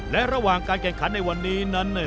และระหว่างการแข่งขันในวันนี้นั้น